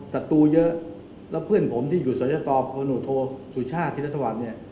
ศัตรูเยอะแล้วเพื่อนผมที่อยู่สวัสดิ์ศัตริย์ประโยชน์โทษสู่ชาติทศวรรษเนี่ย